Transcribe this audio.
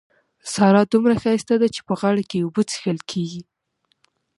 سارا دومره ښايسته ده چې په غاړه کې يې اوبه څښل کېږي.